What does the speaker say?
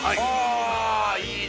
あいいね